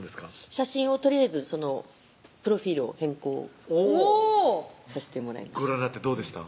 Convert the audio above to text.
写真をとりあえずプロフィールを変更さしてもらいましたご覧になってどうでした？